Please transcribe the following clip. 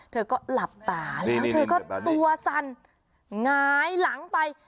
เธอก็หลับตาแล้วเธอก็ตัวสั่นหงายหลังไป